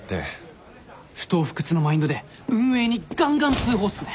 不撓不屈のマインドで運営にがんがん通報っすね！